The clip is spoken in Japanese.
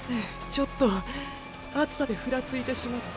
ちょっと暑さでふらついてしまって。